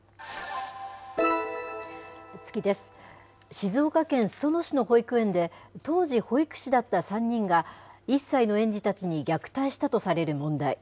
静岡県裾野市の保育園で、当時、保育士だった３人が、１歳の園児たちに虐待したとされる問題。